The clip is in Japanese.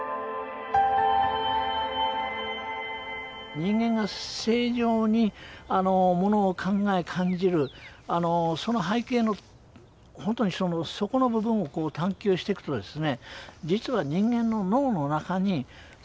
人間が正常にものを考え感じるその背景の本当にその底の部分を探求していくとですね。